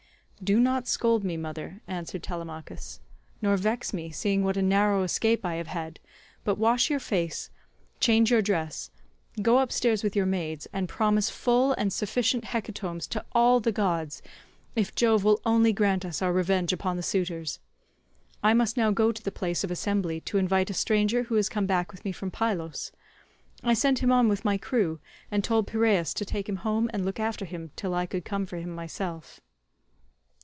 "Do not scold me, mother," answered Telemachus, "nor vex me, seeing what a narrow escape I have had, but wash your face, change your dress, go upstairs with your maids, and promise full and sufficient hecatombs to all the gods if Jove will only grant us our revenge upon the suitors. I must now go to the place of assembly to invite a stranger who has come back with me from Pylos. I sent him on with my crew, and told Piraeus to take him home and look after him till I could come for him myself."